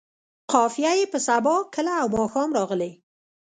قافیه یې په سبا، کله او ماښام راغلې.